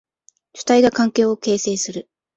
主体が環境を形成する。